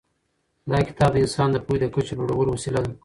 دا کتاب د انسان د پوهې د کچې د لوړولو وسیله ده.